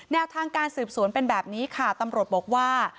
แนวทางการสืบสวนเป็นแบบนี้ค่ะตำรวจบอกว่า